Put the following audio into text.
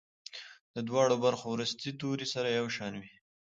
د دواړو برخو وروستي توري سره یو شان وي.